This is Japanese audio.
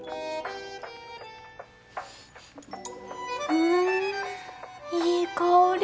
うんいい香り！